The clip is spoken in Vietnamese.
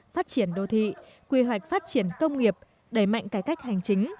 phát triển đô thị quy hoạch phát triển công nghiệp đẩy mạnh cải cách hành chính